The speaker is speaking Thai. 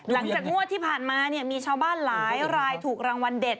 หลังจากงวดที่ผ่านมามีชาวบ้านหลายรายถูกรางวัลเด็ด